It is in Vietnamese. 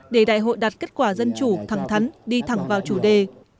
để đại hội đạt kết quả dân chủ thẳng thắn đi thẳng vào chủ đề